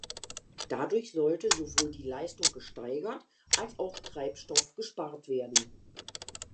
Dadurch sollte sowohl die Leistung gesteigert als auch Treibstoff gespart werden.